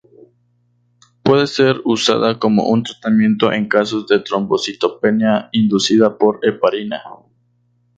Puede ser usada como un tratamiento en casos de trombocitopenia inducida por heparina.